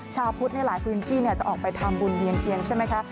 ชาวพุทธในหลายพื้นที่จะออกไปทำบุญเวียนเทียนใช่ไหมคะ